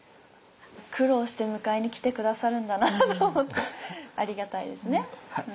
苦労して迎えに来て下さるんだなと思ってありがたいですね。